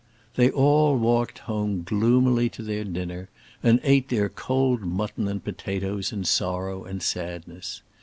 They all walked home gloomily to their dinner, and ate their cold mutton and potatoes in sorrow and sadness.